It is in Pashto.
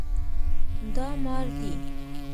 دا مار دی